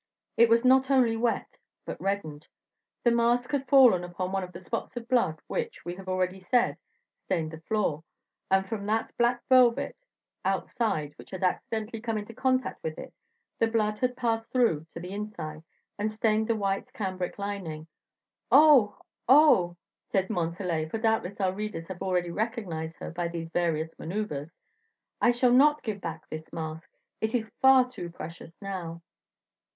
It was not only wet, but reddened. The mask had fallen upon one of the spots of blood which, we have already said, stained the floor, and from that black velvet outside which had accidentally come into contact with it, the blood had passed through to the inside, and stained the white cambric lining. "Oh, oh!" said Montalais, for doubtless our readers have already recognized her by these various maneuvers, "I shall not give back this mask; it is far too precious now."